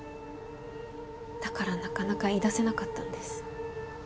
だからなかなか言いだせなかったんです。